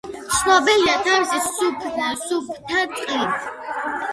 ცნობილია თავისი სუფთა წყლით.